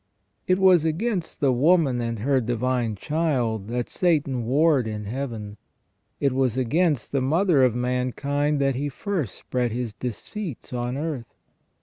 It was against the woman and her Divine Child that Satan warred in Heaven. It was against the mother of mankind that he first spread his deceits on earth.